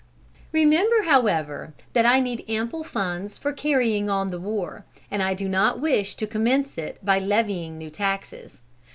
"Remember, however, that I need ample funds for carrying on the war; and I do not wish to commence it by levying new taxes.